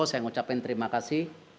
saya ucapkan terima kasih